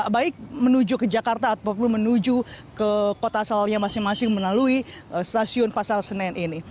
baik menuju ke jakarta ataupun menuju ke kota asalnya masing masing melalui stasiun pasar senen ini